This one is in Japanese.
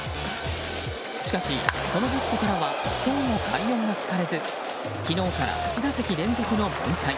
しかし、そのバットからは今日も快音が聞かれず昨日から８打席連続の凡退。